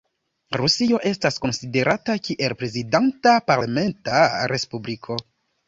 Rusio estas konsiderata kiel prezidenta-parlamenta respubliko.